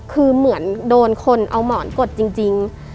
คือเหมือนโดนคนเอาหมอนกดจริง